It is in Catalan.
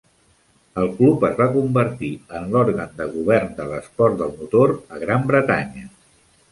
El club es va convertir en l'òrgan de govern de l'esport del motor a Gran Bretanya.